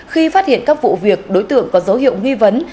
khi phát hiện các vụ việc đối tượng có dấu hiệu nghi vấn